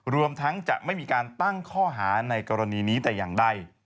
รวมทั้งจะไม่มีการตั้งข้อหาในกรณีนี้แต่อย่างใด